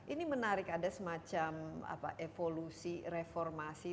ini menarik ada semacam evolusi reformasi